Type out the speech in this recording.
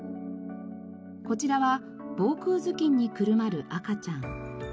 こちらは『防空ずきんにくるまるあかちゃん』。